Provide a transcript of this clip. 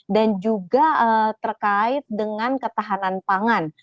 juga terkait dengan ketahanan pangan